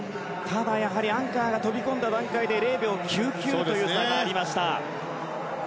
ただ、アンカーが飛び込んだ段階で０秒９９という差がありました。